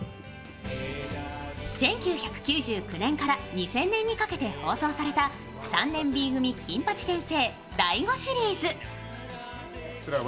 １９９９年から２０００年にかけて放送された「３年Ｂ組金八先生」